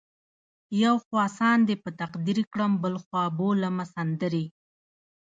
یو خوا ساندې په تقدیر کړم بل خوا بولمه سندرې